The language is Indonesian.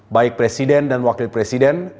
baik presiden dan wakil presiden